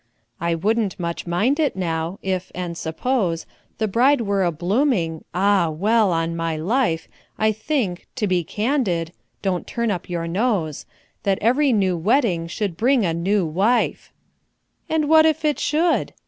"I wouldn't much mind it, now—if—and suppose— The bride were a blooming—Ah! well—on my life, I think—to be candid—(don't turn up your nose!) That every new wedding should bring a new wife!" "And what if it should?"